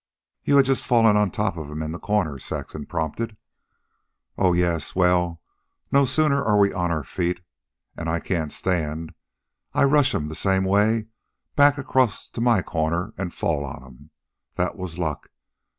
"You'd just fallen on top of him in his corner," Saxon prompted. "Oh, yes. Well, no sooner are we on our feet an' I can't stand I rush 'm the same way back across to my corner an' fall on 'm. That was luck.